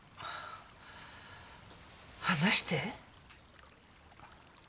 話して。